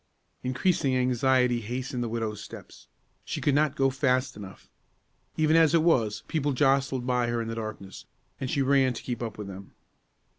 Increasing anxiety hastened the widow's steps. She could not go fast enough. Even as it was, people jostled by her in the darkness, and she ran to keep up with them.